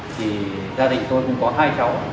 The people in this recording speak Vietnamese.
thì gia đình tôi cũng có hai cháu